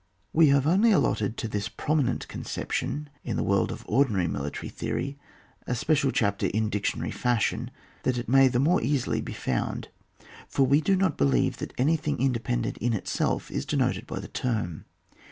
We have only allotted to this prominent conception, in the world of ordinary mili iaxy theory, a special chapter in dictionary fashion, that it may the more easily be found ; for we do not believe that any thing independent in itself is denoted by the term.